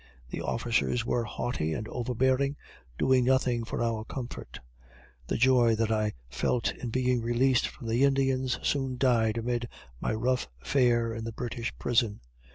The officers were haughty and overbearing, doing nothing for our comfort. The joy that I felt in being released from the Indians, soon died amid my rough fare in the British prison.